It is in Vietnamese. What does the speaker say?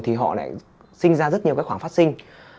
thì họ lại sinh ra rất nhiều cái khoản phát sinh